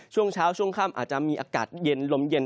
ช่วงเช้าช่วงค่ำอาจจะมีอากาศเย็นลมเย็น